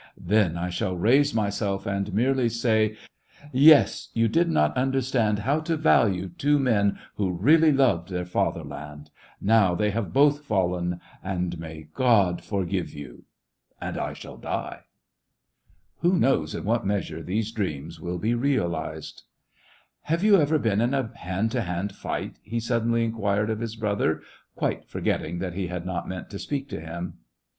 Then I shall raise myself, and merely say : SEVASTOPOL IN AUGUST. 155 *Yes, you did not understand how to value two men who really loved their father land ; now they have both fallen, — and may God forgive you!* and I shall die. Who knows in what measure these dreams will be realized ?*' Have you ever been in a hand to hand fight ?" he suddenly inquired of his brother, quite forgetting that he had not meant to speak to him.